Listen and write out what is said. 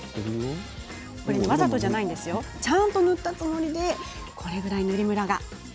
わざとじゃないんですよちゃんと塗ったつもりでこの塗りムラが。